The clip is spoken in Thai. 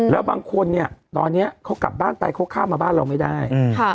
แล้วบางคนเนี่ยตอนนี้เขากลับบ้านไปเขาข้ามมาบ้านเราไม่ได้